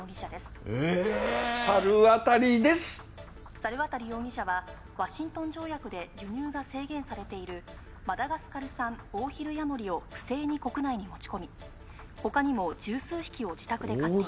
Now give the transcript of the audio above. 「猿渡容疑者はワシントン条約で輸入が制限されているマダガスカル産オオヒルヤモリを不正に国内に持ち込み他にも十数匹を自宅で飼っていました」